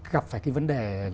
gặp phải vấn đề